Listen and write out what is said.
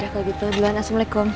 yaudah kalau gitu jualan assalamualaikum